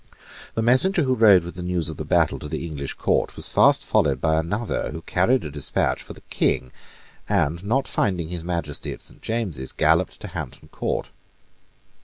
The messenger who rode with the news of the battle to the English Court was fast followed by another who carried a despatch for the King, and, not finding His Majesty at Saint James's, galloped to Hampton Court.